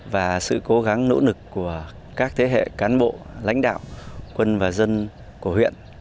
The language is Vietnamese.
và sự cố gắng nỗ lực của các thế hệ cán bộ lãnh đạo quân và dân của huyện